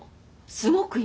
すごくいいの。